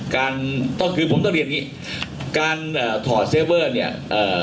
การก็คือผมต้องเรียนอย่างงี้การเอ่อถอดเซเวอร์เนี่ยเอ่อ